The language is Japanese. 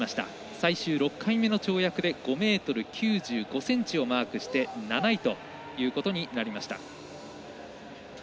最終６回目の跳躍で５ｍ９５ｃｍをマークして７位ということになりました。